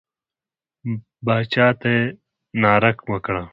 باچا ته یې ناره وکړه.